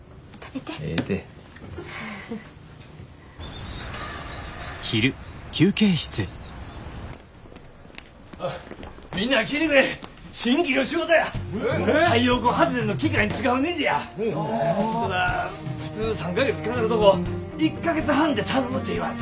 ただ普通３か月かかるとこ１か月半で頼むて言われた。